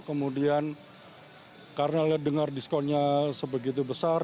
kemudian karena dengar diskonnya sebegitu besar